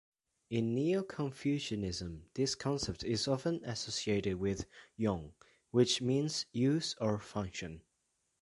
In Neo-Confucianism, this concept is often associated with yong, which means "use" or "function.